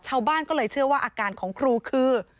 ชาวบ้านก็เลยเชื่อว่าอาการของครูคือ